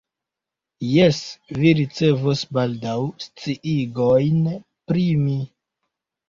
Jes, vi ricevos baldaŭ sciigojn pri mi.